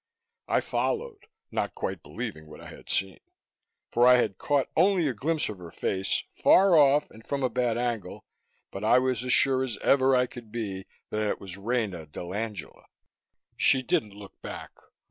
I followed, not quite believing what I had seen. For I had caught only a glimpse of her face, far off and from a bad angle but I was as sure as ever I could be that it was Rena dell'Angela! She didn't look back.